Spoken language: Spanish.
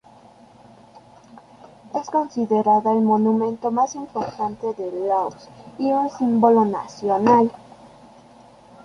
Es considerada el monumento más importante de Laos y un símbolo nacional.